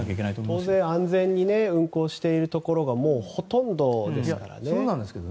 当然、安全に運航しているところがほとんどですからね。